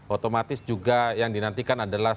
otomatis juga yang dinantikan adalah